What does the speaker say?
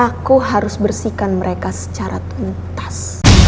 aku harus bersihkan mereka secara tuntas